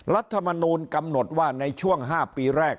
รัฐมนูลกำหนดว่าในช่วง๕ปีแรก